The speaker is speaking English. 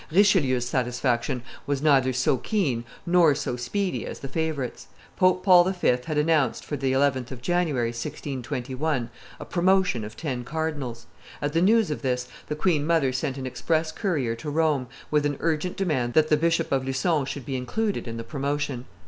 Richelieu's satisfaction was neither so keen nor so speedy as the favorite's. Pope Paul V. had announced, for the 11th of January, 1621, a promotion of ten cardinals. At the news of this, the queen mother sent an express courier to Rome with an urgent demand that the Bishop of Lucon should be included in the promotion.